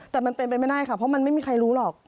แต่มันเป็นไปไม่ได้ค่ะเพราะมันไม่มีใครรู้หรอก